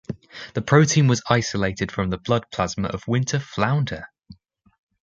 The protein was isolated from the blood plasma of winter flounder.